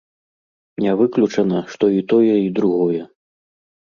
Не выключана, што і тое і другое.